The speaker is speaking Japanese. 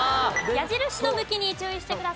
矢印の向きに注意してください。